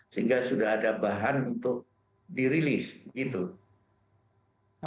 sehingga sudah ada bahan untuk dirilis gitu